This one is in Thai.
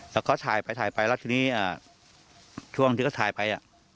แล้วก็ถ่ายไปถ่ายไปแล้วทีนี้ช่วงที่เขาถ่ายไป